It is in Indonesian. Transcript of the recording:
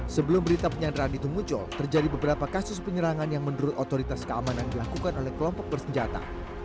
sebelum berita penyanderaan itu muncul terjadi beberapa kasus penyerangan yang menurut otoritas keamanan dilakukan oleh kelompok bersenjata